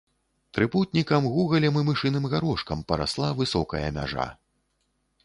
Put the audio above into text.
Трыпутнікам, гугалем і мышыным гарошкам парасла высокая мяжа.